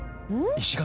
石垣？